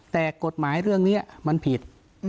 แต่กฎหมายเรื่องนี้มันผิด